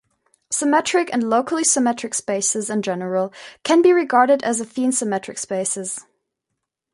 Symmetric and locally symmetric spaces in general can be regarded as affine symmetric spaces.